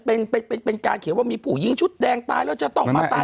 เป็นเป็นการเขียนว่ามีผู้หญิงชุดแดงตายแล้วจะต้องมาตาย